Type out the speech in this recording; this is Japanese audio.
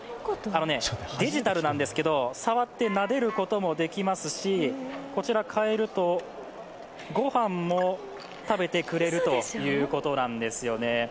デジタルなんですけど、触ってなでることもできますし、こちら、変えるとごはんも食べてくれるということなんですよね。